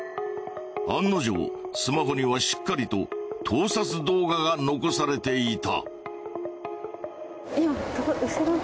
案の定スマホにはしっかりと盗撮動画が残されていた。